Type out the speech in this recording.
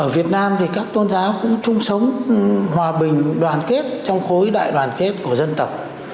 ở việt nam thì các tôn giáo cũng chung sống hòa bình đoàn kết trong khối đại đoàn kết của dân tộc